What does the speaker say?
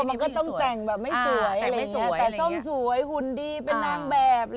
มันก็ต้องแต่งแบบไม่สวยแต่ส้มสวยหุ่นดีเป็นนางแบบ